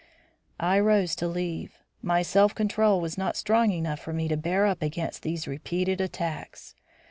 I rose to leave; my self control was not strong enough for me to bear up against these repeated attacks.